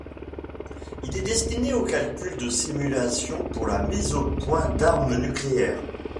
Il est destiné aux calculs de simulations pour la mise au point d'armes nucléaires.